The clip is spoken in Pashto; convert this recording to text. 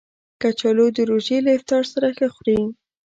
کچالو د روژې له افطار سره ښه خوري